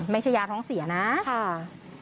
ไม่ใช่ยาท้องเสียนะค่ะค่ะ